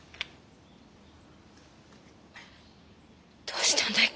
どうしたんだい？